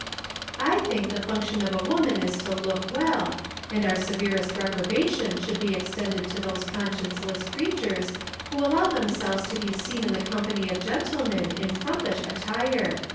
I think the function of a woman is to look well, and our severest reprobation should be extended to those conscienceless creatures who allow themselves to be seen in the company of gentlemen in frumpish attire.